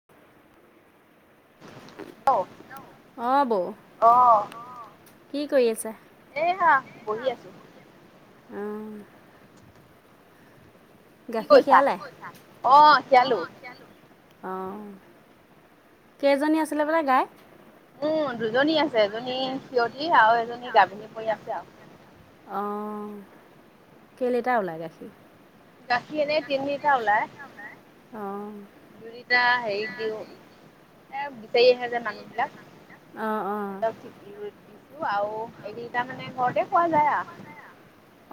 [inaudible] Hello, অঁ বৌ, অঁহ, অহ কি কৰি আছে? এইয়া বহি আছো। অঁহ। কি গাখীৰ কৰিছা খিয়ালে? কি কৰিছা? অঁ খিয়ালো। অঁ কেইজনী আছিলে বোলে গাই? উম দুজনী আছে এজনী সিৰতি আৰু এজনী গাভিনী আৰু পৰি আছে আৰু এজনী [inaudible] অঁহ কেই লিটাৰ ওলাই গাখীৰ? গাখীৰ এনেই তিন লিটাৰ ওলাই। অঁহ। দুই লিটাৰ হেৰিত দিওঁ এ বিচাৰি আহে যে মানুহ অঁ অঁ সিহঁতৰ কি বি দিছো আৰু এক লিটাৰ মানে ঘৰতে খোৱা যায় আও।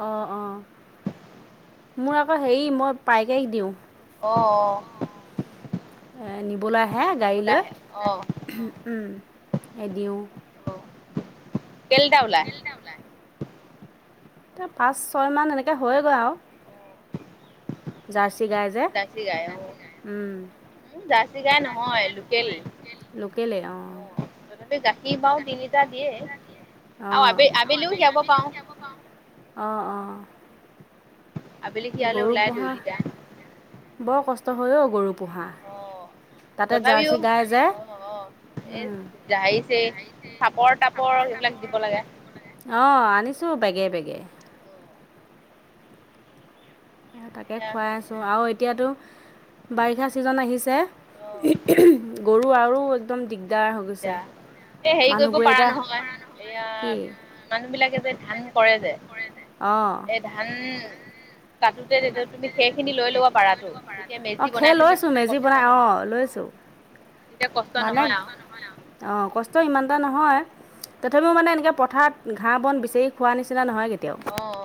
অঁ অঁ মোৰ আকৌ হেৰি মই পাইকাৰিক দিওঁ। অঁ অ। এ নিবলৈ আহে নিবলৈ গাড়ীলৈ, আহে অ উম্ এ দিওঁ। কে লিটাৰ ওলাই কে লিটাৰ ওলাই? এতিয়া পাঁচ ছয়মান এনেকে হয়গৈ আও অ জাৰ্ছী গায় জাৰ্চী গায় অঁহ, মোৰ জাৰ্চী গায় নহয় লোকেল। লোকেলে অঁ। অ তথাপি গাখীৰ বাও তিন লিটাৰ দিয়ে। অঁ, আবে আৰু আবেলিও আবে খীৰাব আবেলি পাৰো খিৰাব পাৰোঁ। অঁ অঁ। আবেলি খীৰালে গৰু ওলাই দুই পোহা লিটাৰ বৰ কষ্ট হয় ঔ গৰু পোহা। অ তাতে তথাপিও জাৰ্চি গায় যে। অ অ এ জাৰিছে থাপৰ তাপৰ এইবিলাক দিব লাগে। অঁ আনিছোঁ বেগে বেগে। তাকে এয়া খুৱাই আছোঁ আৰু এতিয়াতো বাৰিষা ছিজন আহিছে, অ [unintelligible] গৰু আৰু একদম দিগদাৰ হৈ গৈছে, এতিয়া এই হেৰি কৰিব মানুহবোৰে পাৰা এতিয়া নহয় এয়া কি? মানুহ বিলাকেযে ধান কৰে যে। কৰে যে, অহ। সেই ধান কাটোতে তেতিয়া তুমি সেইখিনি লৈ ল'ব পাৰতো, তেতিয়া অঁ মেজি খেৰ বনাই থলে লৈছোঁ মেজি বনাই কষ্ট অঁ নহয়। লৈছোঁ তেতিয়া কষ্ট মানে নহয় আৰু অ', কষ্ট ইমান এটা নহয়। তথাপিও মানে এনেকে পথাৰত ঘাঁহ বন বিচাৰি খোৱা নিচিনা নহয়গে। তেও, অ অ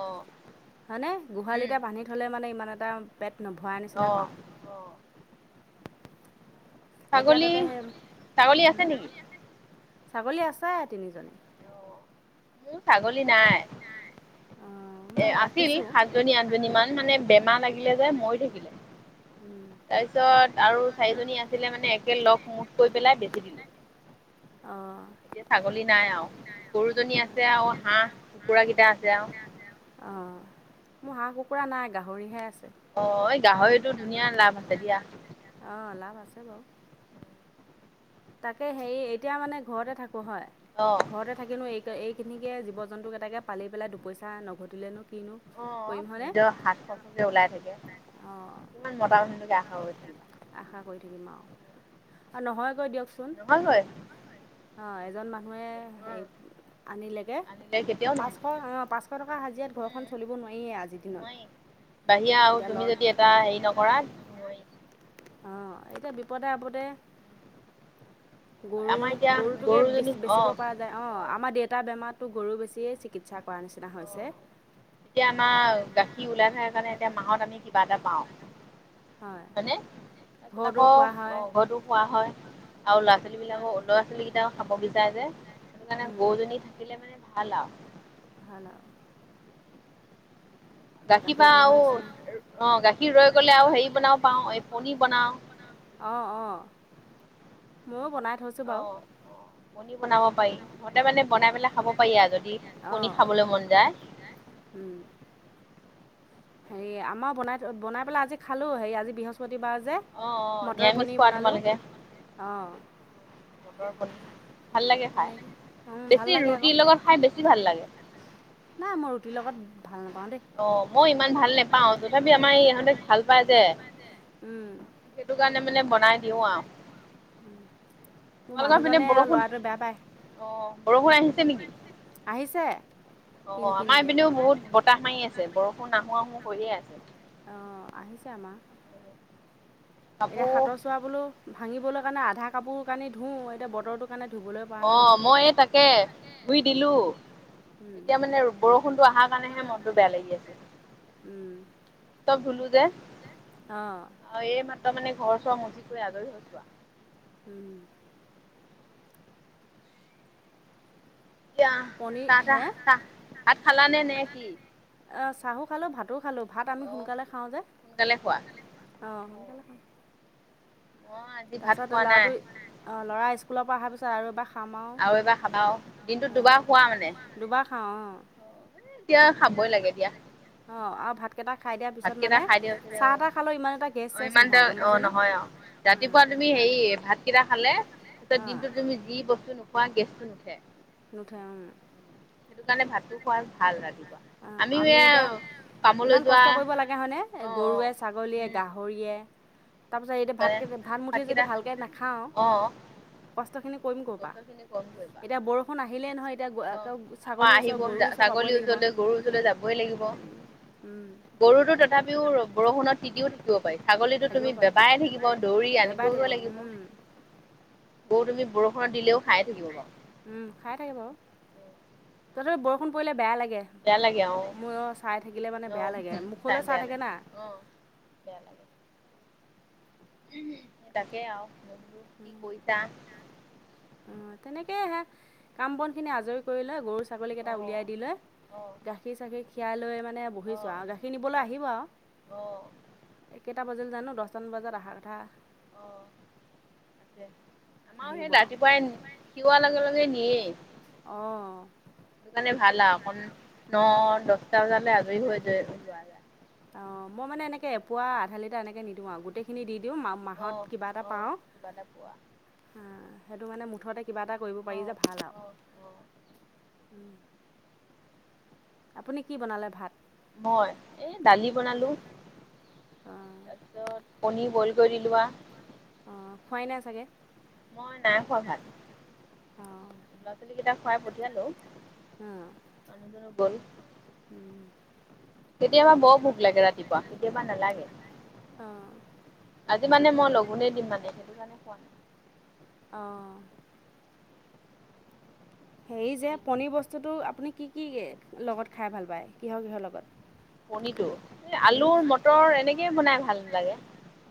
হয়নে? উম গোহালিটে বান্ধি থলে মানে ইমান এটা পেট নভৰা নিচিনা অ পাওঁ। অ এতিয়া ছাগলী, তাতে সেই ছাগলী আছে নেকি? ছাগলী আছে তিনিজনী। মোৰ ছাগলী নাই। অঁ এ মই আছিল, ৰাখিছোঁ। সাতজনী আঠজনী মান, মানে বেমাৰ লাগিলে যে, মৰি থাকিলে। উম তাৰপিছত আৰু চাৰিজনী আছিলে মানে, একে লগ মুখ কৰি পেলাই বেচি দিলোঁ। অ'। এতিয়া ছাগলী নাই আৰু, গৰুজনী আছে আৰু হাঁহ কুকুৰা কেইটা আছে আৰু। অ', মোৰ হাঁহ কুকুৰা নাই, গাহৰিহে আছে। অ', এই গাহৰিটো ধুনীয়া লাভ আছে দিয়া। অ', লাভ আছে বাৰু। তাকে হেৰি, এতিয়া মানে ঘৰতে থাকোঁ হয়, অ ঘৰতে থাকিনো এইক-এইখিনিকেই জীৱ জন্তুকেইটাকে পালি পেলাই দুপইচা নঘটিলেনো কিনো কৰিম অ', হয়নে? নিজৰ হাত খৰছতোকে ওলাই থাকে, অঁ কিমান মতা মানুহটোলে আশা কৰি থাকিবা আশা কৰি থাকিম আৰু, আৰু নহয়গৈ দিয়কচোন। নহয়গৈ। অ', এজন মানুহে উম হেৰি আনিলেগে, আনিলে কেতিয়াও পাঁচশ নহয় অ', পাঁচ শ টকা হাজিৰাত ঘৰখন উম চলিব নোৱাৰিয়েই আজি নোৱাৰি, বাহিৰা আৰু তুমি যদি এটা হেৰি নকৰা। নোৱাৰি। অ', এতিয়া বিপদে আপদে গৰু, আমাৰ এতিয়া গৰুটোকেই গৰুজনী বেচি-বেচিব অ', পৰা অ', আমাৰ দেউতাৰ বেমাৰততো গৰু বেছিয়েই চিকিৎসা কৰা নিচিনা অ'। হৈছে। এতিয়া আমাৰ গাখীৰ ওলাই থাকাৰ কাৰণে এতিয়া মাহত আমি কিবা এটা পাওঁ। হয়। হয়নে? তাৰপিছত ঘৰতো খোৱা হয় আকৌ ঘৰতো খোৱা হয়। আৰু ল'ৰা ছোৱালী বিলাকৰ, ল'ৰা ছোৱালী কেইটাও খাব বিচাৰে যে, সেইটোকাৰণে গৰুজনী থাকিলে মানে ভাল আৰু। ভাল আৰু। গাখীৰ বা গাখীৰকণৰ আৰু নিচিনা অ', গাখীৰ ৰৈ গ'লে আৰু হেৰি বনাওঁ, পাও, এই পণীৰ বনাওঁ। অ', অ', ময়ো বনাই থৈ অ', পনীৰ বনাব পাৰি, ঘৰতে মানে বনাই পেলাই খাব পাৰি আৰু, যদি পনীৰ খাবলৈ মন যায়। উম। হেৰি, আমাৰ বনাই, বনাই পেলাই আজি খালোঁ, হেৰি আজি বৃহস্পতিবাৰ যে। অ অ মটৰ নিৰামিষ পনীৰ খোৱা বনালোঁ, তোমালোকে অ'। মটৰ পনীৰ ভাল লাগে খাই, ভাল বেছি লাগে আকৌ ৰুটিৰ লগত খাই বেছি ভাল লাগে। নাই মই ৰুটিৰ লগত ভাল নাপাওঁ দেই। অ', মই ইমান ভাল নেপাও তথাপি আমাৰ ইহঁতে ভাল পায় যে উম। সেইটো কাৰণে মানে বনাই দিও আৰু। মোৰ তোমালোকৰ পিনে মানুহজনে আৰু বৰষুণ ল'ৰাটোৱে বেয়া পায় অ', বৰষুণ আহিছে নেকি? আহিছে। কিন অ', আমাৰ কিনকৈ এপিনেও বহুত বতাহ মাৰি আছে, বৰষুণ আহো আহো কৰিয়ে আছে। অ', আহিছে আমাৰ। এতিয়া কাপোৰ সাতৰ চোৱা বোলো ভাঙিবলৈ কাৰণে আধা কাপোৰ কানি ধুও, এতিয়া বতৰটোৰ কাৰণে ধুবলৈ পৰা নাই। নহয় অ', মই এই তাকে ধুই দিলো। এতিয়া মানে বৰষুণটো অহাৰ কাৰণেহে মনটো বেয়া লাগি আছে। চব ধুলো যে। অঁ আৰু এই মাত্ৰ মানে ঘৰ চৰ মুচি কৰি আজৰি হৈছো আৰু। উম। পনীৰ হে [unintelligible] ভাত খালানে নে কি? এহ চাহো খালো ভাতো খালো ভাত আমি অ' সোনকালে খাওঁ যে, সোনকালে খোৱা। অ সোনকালে খাওঁ। মই আজি ভাত তাৰপিছত খোৱা নাই ল'ৰাটো অ', ল'ৰা স্কুলৰ পৰা অহা পিছত তাৰপছত আৰু এবাৰ খাম আৰু এবাৰ খাবা আও দিনটোত আৰু দুবাৰ খোৱা মানে। অ', দুবাৰ খাওঁ অ'। এতিয়া খাবই লাগে দিয়া। অ', আৰু ভাত কেইটা খাই দিয়াৰ পিছত ভাতকেইটা মানে, খাই দিওঁ চাহ তাহ খালেও ইমান এটা গেছ অ' চেছ ইমান এটা নহয়। গ'ম পাইছে অ' নে? নহয় আৰু ৰাতিপুৱা তুমি হেৰি ভাতকেইটা খালে তাৰপিছত অঁ দিনটোত তুমি যি বস্তু নোখোৱা গেছটো নুথে। নুথে অ'। সেইটো কাৰণে ভাতটো খোৱা ভাল ৰাতিপুৱা। অ' আমিও আমি এ এতিয়া কামলৈ ইমান যোৱা কষ্ট কৰিব লাগে হয় নে অ' অ' গৰুৱে ছাগলীয়ে, উম গাহৰিয়ে। তাৰপিছত এই সেইকাৰণে ভাতকেতা ভাত মুঠি যদি ভাতকেইটা ভালকৈ নাখাওঁ অ' কষ্টখিনি কৰিম ক'ৰপৰা গছৰ খিনি কম কৰিবা এতিয়া বৰষুণ আহিলে নহয়, এতিয়া অ ছাগলীৰ ওচৰ গৰু ওচৰ পাবই লাগিব। ওচৰত যাবই লাগিব, গৰুটো তথাপিও বৰষুণত তিতিও থাকিব পাৰি, ছাগলীতো থাকিব তুমি পাৰে বেবাই থাকিব দৌৰি বেবাই আনিবগৈ লাগিব। থাকিব গৰু তুমি বৰষুণত দিলেও খাই থাকিব বাৰু। উম খাই থাকে বাৰু, তথাপিও বৰষুণ পৰিলে বেয়া লাগে। বেয়া লাগে আৰু মোৰো অ' চাই থাকিলে মানে অ বেয়া লাগে, মুখলৈ চাই বেয়া থাকে লাগে না। অ বেয়া লাগে। তাকে আৰু, মই বোলো কি কৰিছা? অ' তেনেকেই হেয়া, কাম বন খিনি আজৰি কৰি লৈ গৰু ছাগলী অ কেইটা উলায়াই দি লৈ, অ গাখীৰ চাখীৰ খিৰাই লৈ মা নে অ অ বহিছো আৰু, গাখীৰ নিবলৈ আহিব আৰু, অ কেইটা বাজিল জানো দহ দহটামান বজাৰ আহাৰ কথা। অ আছে আমাৰো সেই আহিব আৰু ৰাতিপুৱাই খিৰোৱাৰ লগে লগে নিয়েই। অ'। মানে ভাল আৰু অকন ন দহটা বজালৈ আজৰি হৈ যায় যোৱা যায়। অ' মই মানে এনেক এপোৱা আধালিটাৰ এনেকে নিদিওঁ আৰু গোটেইখিনি দি দিওঁ মা মাহত অহ অহ কিবা এটা পোৱা উম সেইটো মানে মুঠতে কিবা এটা কৰিব পাৰি যে অ', ভাল অ', অ'। আৰু। আপুনি কি বনালে ভাত? মই, এ দালি বনালোঁ। অঁ তাৰপিছত কণী বইল কৰি দিলোঁ আৰু। অ', খোৱাই নাই চাগে? মই নাই খোৱা ভাত। অঁ ল'ৰা-ছোৱালী কেইটা খুৱাই পঠিয়ালো, মানুহজনো গ'ল। উম। কেতিয়াবা বৰ ভোক লাগে ৰাতিপুৱা, কেতিয়াবা নালাগে। অ'। আজি মানে মই লগোনেই দিম মানে, সেইটো কাৰণে খোৱা নাই। অ'। হেৰি যে, পনীৰ বস্তুটো আপুনি কি কি লগত খাই ভাল পায়, কিহ-কিহৰ লগত? পনীৰটো, উম, আলুৰ মটৰ এনেকে বনাই ভাল লাগে।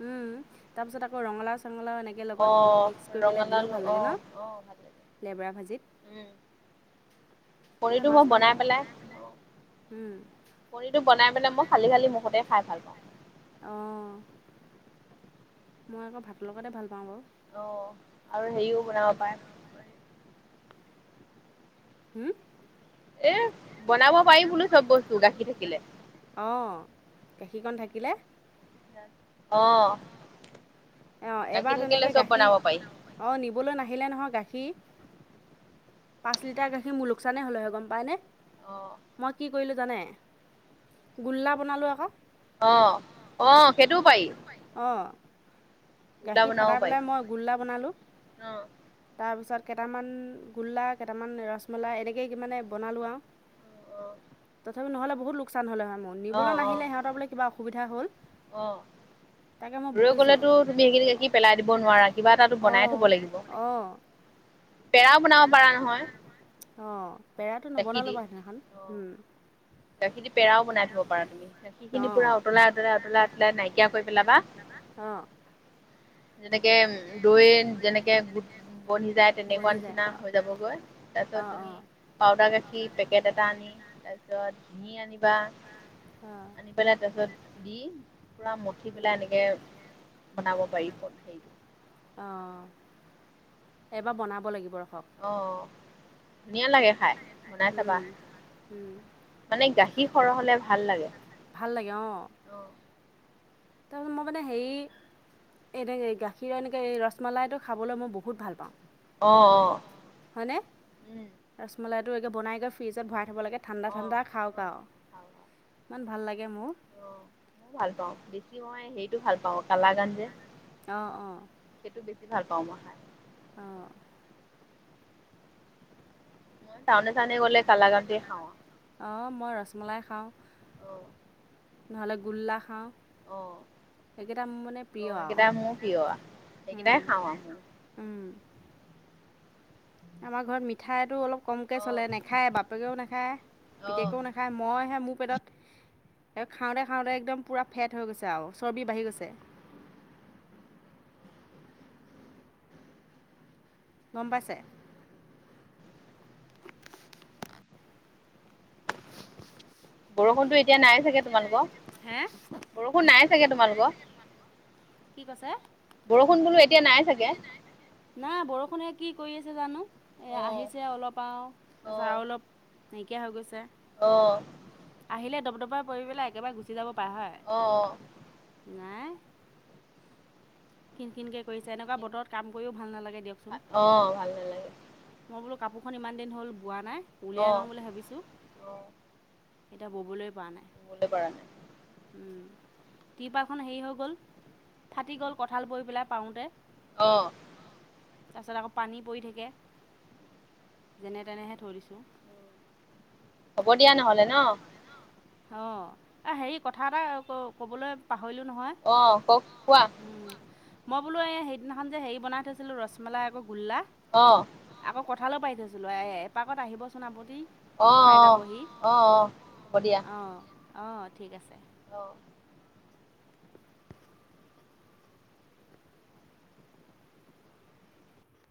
উম, তাৰ পিছত আকৌ ৰঙলাও-চঙলাও এনেক কে লগত, অ'। মিক্স কৰি পেলাই দিলেও ৰঙালাও ভাল লাগে অ', অ', ভাল লাগে ন', লেবেৰা ভাজিত। উম, মানে পনীটো মাছ মই মাংস বনাই পেলাই পনীটো বনাই পেলাই, মই খালি-খালি মুখতে খাই ভাল পাওঁ। অ'। মই আকৌ ভাতৰ লগতে ভাল পাওঁ বাৰু। অ', আৰু হেৰিও বনাব পাৰে। হুম? এ বনাব পাৰি বোলো চব বস্তু, গাখীৰ থাকিলে। অ', গাখীৰকণ থাকিলে অ', গাখীৰ থাকিলে চব বনাব পাৰি। অ', নিবলৈ নাহিলে নহয় গাখী। পাঁচ লিটাৰ গাখীৰ মোৰ লোকচানেই হ'ল হয়, গম পায়নে? অ'। মই কি কৰিলোঁ জানে, গোল্লা বনালোঁ আকৌ। অ', অ', সেইটোও পাৰি। অ', গোল্লা গাখীৰ বনাব ফাটাই পাৰি। পেলাই, মই গোল্লা বনালোঁ। অ' তাৰপিছত কেইটামান গোল্লা, কেইটামান ৰসমলাই, এনেকেই মানে বনালোঁ আৰু। নহ'লে বহুত লোকচান হ'লে হয় মোৰ। অ' নিবলৈ অ' নাহিলে সিহঁতৰ বোলে কিবা অসুবিধা হ'ল, অ' অ' তাকে মই ৰৈ বকিছোঁ। গ'লেতো তুমি সেইখিনি গাখীৰ পেলাই দিব নোৱাৰা, কিবা এটাতো বনাই অঁ থব লাগিব। অঁ পেৰাও বনাব পাৰা নহয়। অ', পেৰাটো গাখীৰ নবনালোঁ বাৰু সেইদিনাখন, অ' উম। গাখীৰ দি পেৰাও বনাই থ'ব পাৰা তুমি। গাখীৰখিনি অঁ পুৰা উতলাই, উতলাই, উতলাই, উতলাই নাইকিয়া কৰি পেলাবা। অ'। যেনেকে দৈ যেনেকে গোট বনি যায়, তেনেকুৱা বনি যায় নিচিনা অঁ হৈ যাবগৈ, তাৰ পিছত তুমি অঁ পাউদাৰ গাখীৰ পেকেট এটা আনি, তাৰপিছত ঘিঁ আনিবা। অঁ আনি পেলাই, তাৰ পিছত দি, পুৰা মঠি পেলাই এনেকে বনাব পাৰিব, সেইটো। অ', এইবাৰ বনাব লাগিব ৰখক। অ'। ধুনীয়া লাগে খাই, বনাই চাবা! মানে গাখীৰ সৰহ হ'লে ভাল লাগে। ভাল লাগে, অঁ। অ তাৰ মই মানে হেৰি এনেকে গাখীৰৰ এনেকৈ ৰসমলাইটো খাবলৈ মই বহুত ভাল পাওঁ। অঁ', - অঁ'। হয়নে? ৰসমলাইটো একে বনাই কৰি ফ্ৰিজত ভৰাই থ'ব লাগে। ঠাণ্ডা, অ অ ঠাণ্ডা খাওঁক খাওঁ আৰু, খাওঁ। ইমান ভাল লাগে মোৰ। অ', মই ভাল পাওঁ, বেছি মই হেৰিটো ভাল পাওঁ কালাগান যে। অঁ', - অঁ। সেইটো বেছি ভাল পাওঁ মই খায়। অঁ। মই টাউনে- চাউনে গ'লে কালাকনটোয়ে খাওঁ আৰু। অঁ', মই ৰসমলাই খাওঁ। অ'। নহ'লে গোল্লা খাওঁ। অ', সেইকেইটা মোৰ মানে প্ৰিয় অ', সেইকেইটা মোৰ আৰু, প্ৰিয়। সেইকেইটাই খাওঁ আৰু মই উম। উম। আমাৰ ঘৰত মিঠাইটো অলপ কমকৈ চলে অ', নাখায় বাপেকেও নাখায়, অ', পিতেকেও না খাই মইহে মোৰ পেটত সে খাওঁতে, খাওঁতে একদম পূৰা ফেট হৈ গৈছে আৰু চৰ্বি বাঢ়ি গৈছে। গম পাইছে? বৰষুণতো এতিয়া নাই চাগে তোমালোকৰ? হে বৰষুণ নাই চাগে তোমালোকৰ? কি কৈছে? বৰষুণ বোলে এ তিয়া নাই চাগে? বৰষুণে কি কৰি আছে জানো। এই অ', আহিছে অলপ আৰু, তাৰপিছত আৰু অলপ, নাইকিয়া হৈ গৈছে। অঁ। আহিলে দবদবাই পৰি পেলাই একেবাৰে গুচি যাব পাৰে হয়। অ', - অ'। নাই। খিনখিনকে কৰিছে এনেকুৱা বতৰত কাম কৰিও ভাল নালাগে দিয়কচোন। অ', ভাল নালাগে মই বোলো কাপোৰখন ইমান দিন হ'ল বোৱা নাই, উলিয়াই অ', লওঁ বুলি ভাবিছোঁ। অ', এতিয়া ব'বলৈ পৰা নাই। ব'বলৈ পৰা নাই। উম, টিপালখন হেৰি হৈ গ'ল, ফাটি গ'ল। কঁঠাল পৰি পেলাই পাৰোঁতে। অঁ। তাৰপিছত আকৌ পানী পৰি থাকে। যেনে তেনেহে থৈ দিছোঁ। হ'ব দিয়া নহ'লে ন? অঁ', এই হেৰি কথা এটা ক'বলৈ পাহৰিলোঁ নহয়। অ', কওক কোৱা? মই বোলো এই সেইদিনাখন যে হেৰি বনাই থৈছিলোঁ ৰসমালাই আকৌ গোল্লা। অ'। আকৌ কঁঠালো পাৰি থৈছিলো এ এপাকত আহিবছোন আপুনি। অ', খাই অ', অ', অ', হ'ব দিয়া। অ'। অ', ঠিক আছে। অ'।